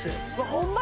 ホンマ